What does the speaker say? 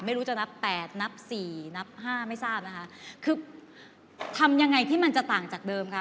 ไม่รู้จะนับแปดนับสี่นับห้าไม่ทราบนะคะคือทำยังไงที่มันจะต่างจากเดิมคะ